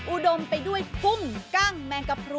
อูดมไปด้วยกุ้มกล้างแม่งกะพรุน